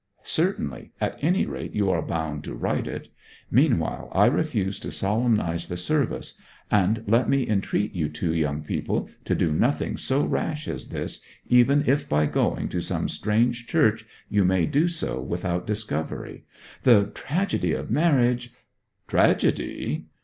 'Certainly. At any rate you are bound to write it. Meanwhile I refuse to solemnize the service. And let me entreat you two young people to do nothing so rash as this, even if by going to some strange church, you may do so without discovery. The tragedy of marriage ' 'Tragedy?'